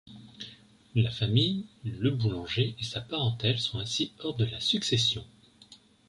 La famille Le Boullenger et sa parentèle sont ainsi hors de la succession.